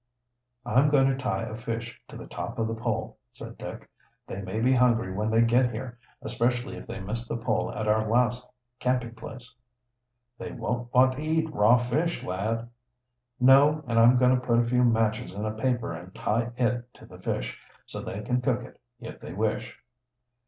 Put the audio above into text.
"I'm going to tie a fish to the top of the pole," said Dick. "They may be hungry when they get here, especially if they miss the pole at our last camping place." "They won't want to eat raw fish, lad." "No, and I'm going to put a few matches in a paper and tie it to the fish, so they can cook it, if they wish."